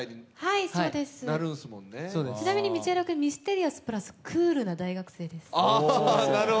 はい、そうです、ちなみに道枝君、ミステリアス、プラス、クールな大学生です。